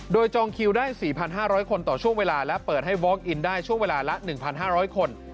โดยจองคิวได้๔๕๐๐คนต่อช่วงเวลาและเปิดให้วอล์อินได้ช่วงเวลาละ๑๕๐๐คน